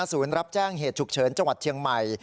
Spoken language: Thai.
รับแจ้งเหตุฉุกเฉินจังหวัดเชียงใหม่